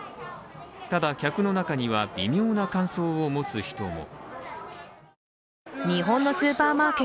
ただ客の中には、微妙な感想を持つ人も。